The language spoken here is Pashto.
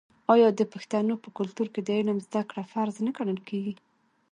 آیا د پښتنو په کلتور کې د علم زده کړه فرض نه ګڼل کیږي؟